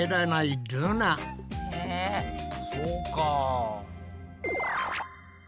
そうか。